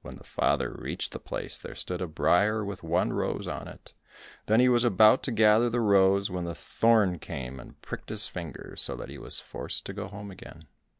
When the father reached the place, there stood a briar with one rose on it, then he was about to gather the rose, when the thorn came and pricked his finger so that he was forced to go home again.